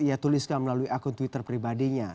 ia tuliskan melalui akun twitter pribadinya